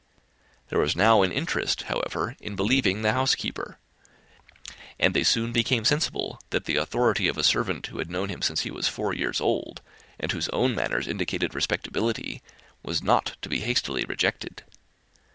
There was now an interest, however, in believing the housekeeper; and they soon became sensible that the authority of a servant, who had known him since he was four years old, and whose own manners indicated respectability, was not to be hastily rejected.